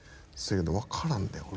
分からんでこれ。